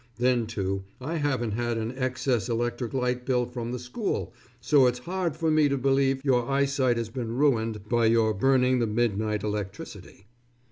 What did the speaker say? Then, too, I haven't had an excess electric light bill from the school, so it's hard for me to believe your eyesight has been ruined by your burning the midnight electricity.